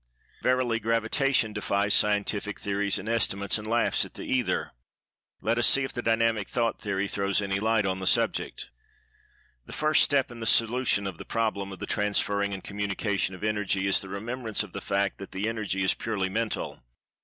Verily, Gravitation defies Scientific theories and estimates, and laughs at the "Ether." Let us see if the Dynamic Thought Theory throws any light on the subject! The first step in the solution of the problem of the transferring and communication of Energy is the remembrance of the fact that the Energy is purely Mental.